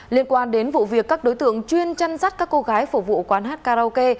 liên quan đến vụ việc các đối tượng chuyên chăn rắt các cô gái phục vụ quán hát karaoke